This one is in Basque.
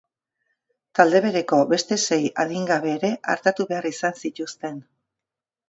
Talde bereko beste sei adingabe ere artatu behar izan zituzten.